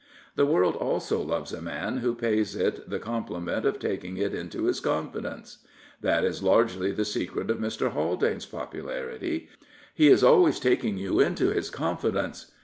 The world also loves a man who pays it the compli ment of taking it into his confidence. That is largely the secret of Mr. Haldane's popularity. He is always taking you into his confidence.